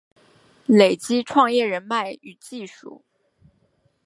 累积创业人脉与技术